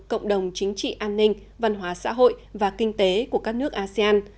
cộng đồng chính trị an ninh văn hóa xã hội và kinh tế của các nước asean